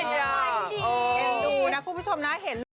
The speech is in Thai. โปรดติดตามตอนต่อไป